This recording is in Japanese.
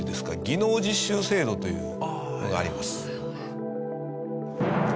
技能実習制度というのがあります。